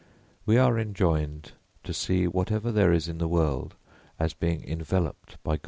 We are enjoined to see _whatever there is in the world as being enveloped by God.